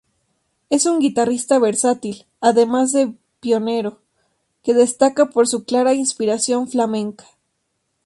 Es un guitarrista versátil, además de pionero, que destaca por su clara inspiración flamenca.